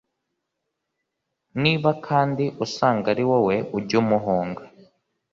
niba kandi usanga ari wowe ujye umuhunga